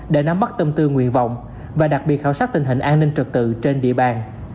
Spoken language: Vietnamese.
để nắm bắt tâm tư nguyện vọng và đặc biệt khảo sát tình hình an ninh trật tự trên địa bàn